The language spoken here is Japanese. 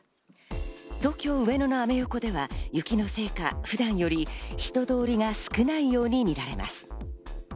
東京・上野のアメ横では雪のせいか普段より人通りが少ないように見られます。